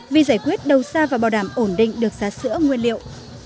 vì giải quyết đầu xa và bảo đảm ổn định được giá sữa nguyên liệu